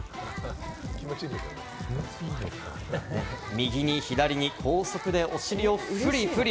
右に左に高速でお尻をフリフリ。